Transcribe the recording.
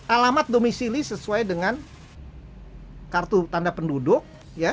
alamat domisili sesuai dengan kartu tanda penduduk